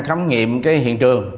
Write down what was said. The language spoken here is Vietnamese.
khám nghiệm cái hiện trường